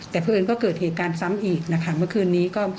แต่เพราะเอิญก็เกิดเหตุการณ์ซ้ำอีกนะคะเมื่อคืนนี้ก็